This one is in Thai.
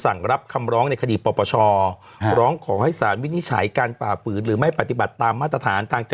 นั่นก็เป็นอีกหนึ่งเรื่องที่วันนี้มีคนพูดเบะจะมีข่าวขุมเสกด้วยนะคะ